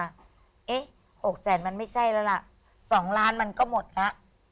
๖๐๐๐บาทมันไม่ใช่แล้วล่ะ๒๐๐๐๐๐๐บาทมันก็หมดละ